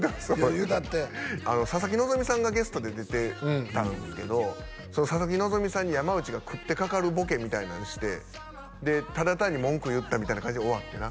言うたって佐々木希さんがゲストで出てたんすけど佐々木希さんに山内が食ってかかるボケみたいなんしてでただ単に文句言ったみたいな感じで終わってな